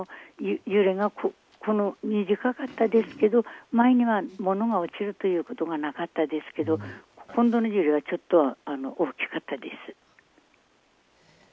揺れが短かったですけれど前には物が落ちることということは、なかったですけれど今度の揺れはちょっと大きかったです。